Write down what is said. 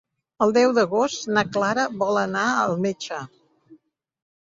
El deu d'agost na Clara vol anar al metge.